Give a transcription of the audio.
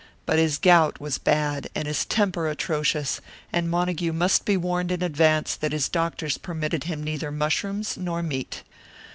But his gout was bad, and his temper atrocious, and Montague must be warned in advance that his doctors permitted him neither mushrooms nor meat.